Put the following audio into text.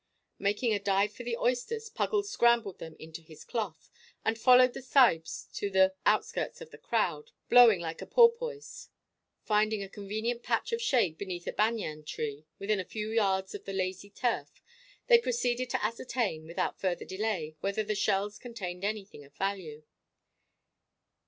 Making a dive for the oysters, Puggles scrambled them into his cloth, and followed the sahibs to the outskirts of the crowd, blowing like a porpoise. Finding a convenient patch of shade beneath a banyan tree within a few yards of the lazy surf, they proceeded to ascertain, without further delay, whether the shells contained anything of value.